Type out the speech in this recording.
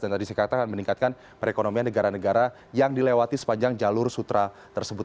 dan tadi saya katakan meningkatkan perekonomian negara negara yang dilewati sepanjang jalur sutra tersebut